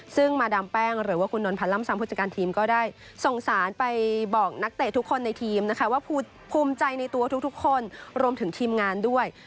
ซึ่งมาดามแป้งหรือว่าคุณนนพันธ์ล่ำซ้ำผู้จัดการทีมก็ได้ส่งสารไปบอกนักเตะทุกคนในทีมนะคะว่าภูมิใจในตัวทุกคนรวมถึงทีมงานด้วย